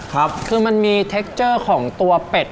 ครับคือมันมีเทคเจอร์ของตัวเป็ด